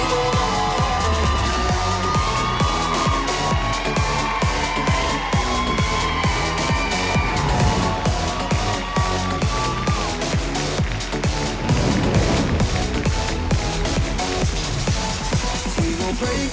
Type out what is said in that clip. โอ้โห